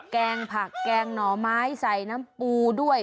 แกงผักแกงหน่อไม้ใส่น้ำปูด้วย